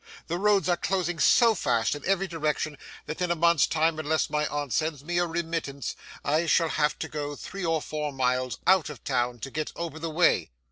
The roads are closing so fast in every direction, that in a month's time, unless my aunt sends me a remittance, I shall have to go three or four miles out of town to get over the way.